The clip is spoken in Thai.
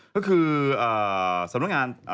ก็คือสำนักงาน